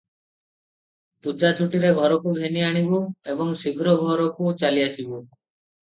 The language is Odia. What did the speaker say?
ପୂଜା ଛୁଟିରେ ଘରକୁ ଘେନିଆଣିବୁ ଏବଂ ଶୀଘ୍ର ଘରକୁ ଚାଲିଆସିବୁ ।